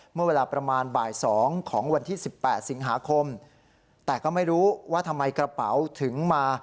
เมื่อเวลาประมาณบ่าย๒ของวันที่สิบแปดสิงหาคมแต่ก็ไม่รู้ว่าทำไมกระเป๋าถึงมา